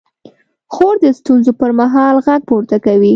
خور د ستونزو پر مهال غږ پورته کوي.